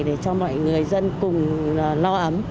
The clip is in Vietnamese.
để cho mọi người dân cùng lo ấm